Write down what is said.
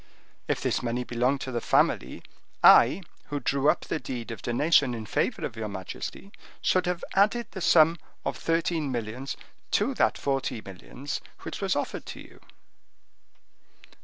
If this money belonged to the family, I, who drew up the deed of donation in favor of your majesty, should have added the sum of thirteen millions to that of forty millions which was offered to you."